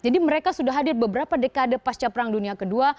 jadi mereka sudah hadir beberapa dekade pasca perang dunia kedua